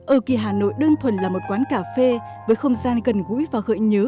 ơ kì hà nội đơn thuần là một quán cà phê với không gian gần gũi và gợi nhớ